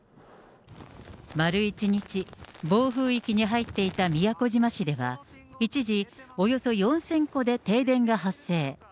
丸１日、暴風域に入っていた宮古島市では、一時、およそ４０００戸で停電が発生。